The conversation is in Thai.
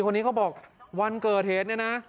คนนี้เขาบอกวันเกิดเหตุเนี่ยนะ